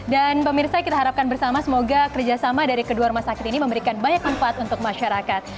dan pemirsa kita harapkan bersama semoga kerjasama dari kedua rumah sakit ini memberikan banyak kemampuan untuk masyarakat